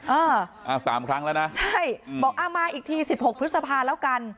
อ่าอ่าสามครั้งแล้วนะใช่บอกอ่ามาอีกทีสิบหกพฤษภาแล้วกัน